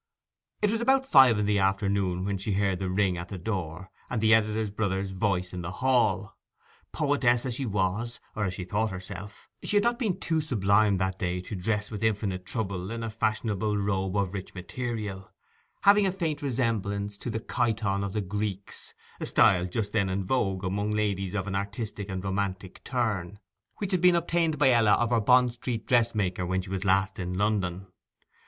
It was about five in the afternoon when she heard a ring at the door and the editor's brother's voice in the hall. Poetess as she was, or as she thought herself, she had not been too sublime that day to dress with infinite trouble in a fashionable robe of rich material, having a faint resemblance to the chiton of the Greeks, a style just then in vogue among ladies of an artistic and romantic turn, which had been obtained by Ella of her Bond Street dressmaker when she was last in London.